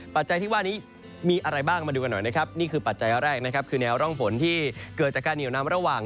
ปัจจัยที่ว่านี้มีอะไรบ้างมาดูกันหน่อยนะครับนี่คือปัจจัยแรกนะครับคือแนวร่องฝนที่เกิดจากการเหนียวนำระหว่าง